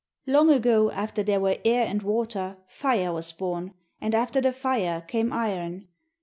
Long ago after there were air and water, fire was born, and after the fire came iron.